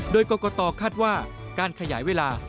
โดยกรกตคาดว่าการขยายเวลา